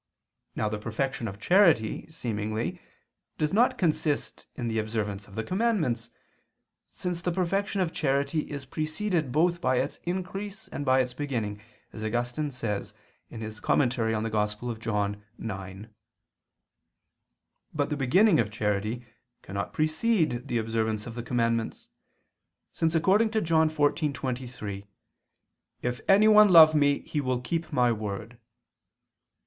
Now the perfection of charity, seemingly, does not consist in the observance of the commandments, since the perfection of charity is preceded both by its increase and by its beginning, as Augustine says (Super Canonic. Joan. Tract. ix). But the beginning of charity cannot precede the observance of the commandments, since according to John 14:23, "If any one love Me, he will keep My word."